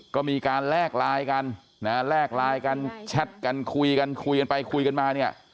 ก็มีการแลกไลน์กันนะแลกไลน์กันแชทกันคุยกันคุยกันไปคุยกันมาเนี่ย